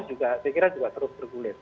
saya kira juga terus bergulir